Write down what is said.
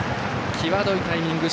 際どいタイミング。